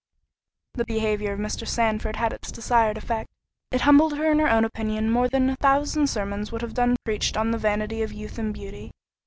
This behaviour of Mr. Sandford had its desired effect—it humbled her in her own opinion more than a thousand sermons would have done preached on the vanity of youth and beauty.